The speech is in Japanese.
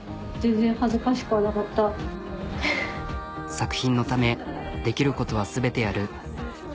作品のためできることは全てやる。